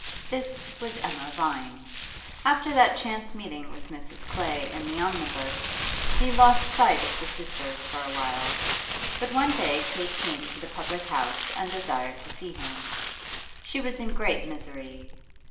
This was Emma Vine. After that chance meeting with Mrs. Clay in the omnibus he lost sight of the sisters for a while, but one day Kate came to the public house and desired to see him. She was in great misery.